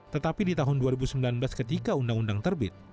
tetapi di tahun dua ribu sembilan belas ketika undang undang terbit